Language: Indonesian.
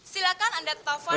silahkan anda ke telepon